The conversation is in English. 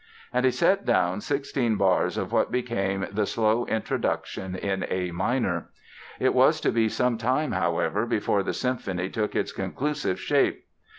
And he set down sixteen bars of what became the slow introduction in A minor. It was to be some time, however, before the symphony took its conclusive shape.